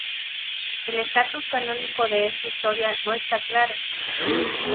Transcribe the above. El estatus canónico de esta historia no está claro.